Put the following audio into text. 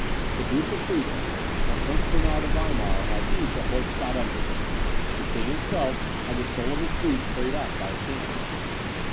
The Duke of Friedland and Prince Bernard of Weimar had each a horse shot under them; the king himself had the sole of his boot carried off by a cannon ball.